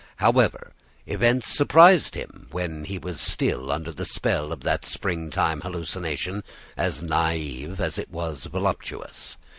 However, events surprised him when he was still under the spell of that springtime hallucination, as naive as it was voluptuous.